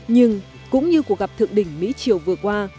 nhưng cũng như cuộc gặp thượng đỉnh mỹ chiều vừa qua